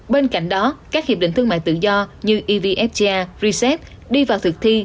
bên cạnh đó các hiệp định thương mại tự do như evfta rcep đi vào thực thi